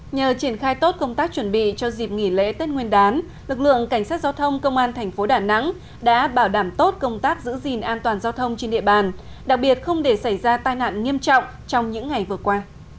nhờ triển khai tốt công tác chuẩn bị cho dịp nghỉ lễ tết nguyên đán lực lượng cảnh sát giao thông công an thành phố đà nẵng đã bảo đảm tốt công tác giữ gìn an toàn giao thông trên địa bàn đặc biệt không để xảy ra tai nạn nghiêm trọng trong những ngày vừa qua